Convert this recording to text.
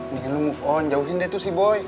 nih lo move on jauhin deh tuh si boy